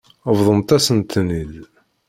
Bḍumt-asent-ten-id.